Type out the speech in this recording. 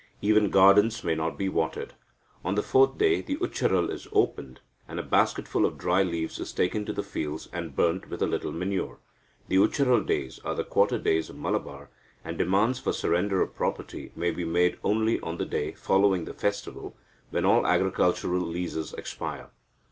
Even gardens may not be watered. On the fourth day the ucharal is opened, and a basketful of dry leaves is taken to the fields, and burnt with a little manure. The Ucharal days are the quarter days of Malabar, and demands for surrender of property may be made only on the day following the festival, when all agricultural leases expire.